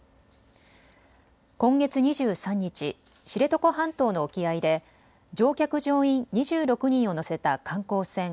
今月２３日、知床半島の沖合で乗客・乗員２６人を乗せた観光船